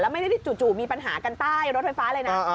ไม่ได้จู่มีปัญหากันใต้รถไฟฟ้าเลยนะ